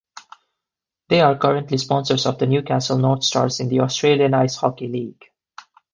They are currently sponsors of the Newcastle Northstars in the Australian Ice Hockey League.